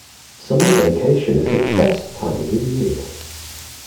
Summer vacation is the best time of the year!